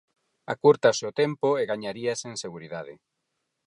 Acúrtase o tempo e gañaríase en seguridade...